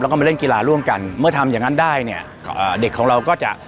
แล้วก็มาเล่นกีฬาร่วมกันเมื่อทำอย่างงั้นได้เนี่ยเด็กของเราก็จะ